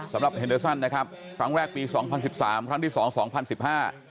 เฮนเดอร์ซันนะครับครั้งแรกปีสองพันสิบสามครั้งที่สองสองพันสิบห้า